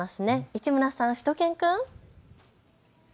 市村さん、しゅと犬くん。